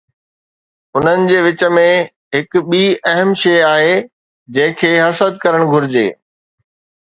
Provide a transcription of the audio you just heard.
انهن جي وچ ۾ هڪ ٻي اهم شيء آهي جنهن کي حسد ڪرڻ گهرجي.